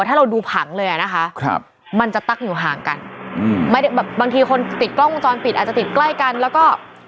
ถ้าเราดูผังเลยอ่ะนะคะครับมันจะตั้งอยู่ห่างกันอืมไม่ได้แบบบางทีคนติดกล้องวงจรปิดอาจจะติดใกล้กันแล้วก็